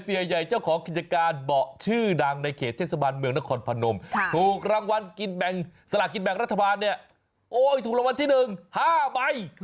เสียใหญ่เจ้าของกิจกราศบเหล่านางเลยของเชศบรรยายพ